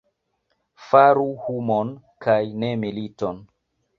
Faru humon kaj ne militon!